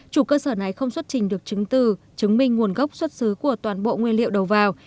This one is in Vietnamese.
chủ cơ sở này không xuất trình được chứng từ chứng minh nguồn gốc xuất xứ của toàn bộ nguyên liệu đầu vào